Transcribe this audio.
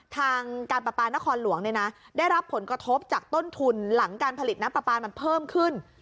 ทางการประปานครหลวงได้รับผลกระทบจากต้นทุนหลังการผลิตน้ำปลาปลามันเพิ่มขึ้น